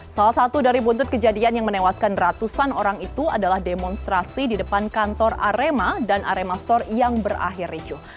salah satu dari buntut kejadian yang menewaskan ratusan orang itu adalah demonstrasi di depan kantor arema dan arema store yang berakhir ricuh